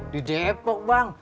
di jepok bang